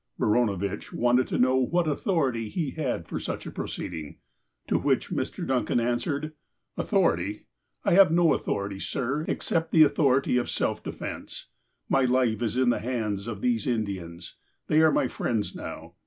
Baranovitch wanted to know what authority he had for such "a proceeding. To which Mr. Duncan answered :'' Authority ? I have no authority, sir, except the authority of self defense. My life is in the hands of these Indians. They are my friends now.